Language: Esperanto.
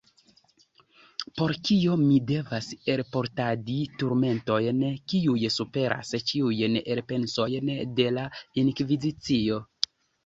Por kio mi devas elportadi turmentojn, kiuj superas ĉiujn elpensojn de la inkvizicio?